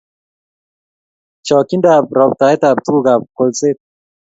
Chokchindab roptaet ab tukuk ab kolset